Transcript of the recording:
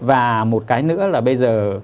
và một cái nữa là bây giờ